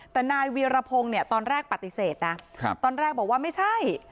แต่นายเวียรพงศ์เนี่ยตอนแรกปฏิเสธนะตอนแรกบอกว่าไม่ใช่